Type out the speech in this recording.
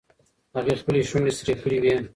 هغې خپلې شونډې سرې کړې وې.